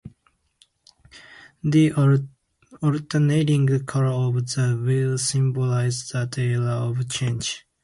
The alternating colors of the wheel symbolize that era of change.